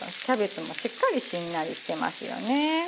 キャベツもしっかりしんなりしてますよね。